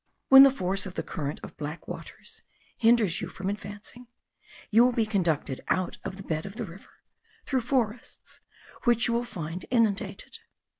When the force of the current of black waters hinders you from advancing, you will be conducted out of the bed of the river through forests, which you will find inundated.